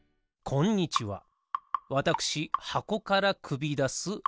こんにちはわたくしはこからくびだす箱のすけ。